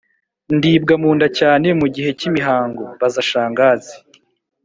Ndibwa munda cyane mu gihe cy'imihango-Baza Shangazi